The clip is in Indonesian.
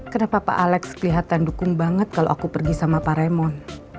kenapa pak alex kelihatan dukung banget kalau aku pergi sama pak remon